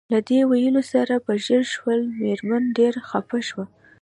له دې ویلو سره په ژړا شول، مېرمن ډېره خپه شوه.